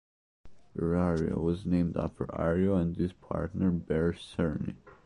Berario was named after Ario and his partner, Ber Sarnie.